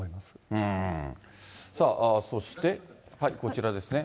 さあ、そして。こちらですね。